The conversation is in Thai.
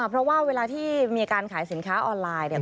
เพราะว่าเวลาที่มีการขายสินค้าออนไลน์เนี่ย